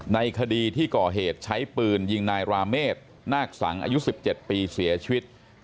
ในคดีที่ก่อเหตุใช้ปืนยิงนายราเมษนาคสังอายุ๑๗ปีเสียชีวิต